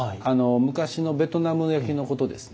昔のベトナム焼きのことですね。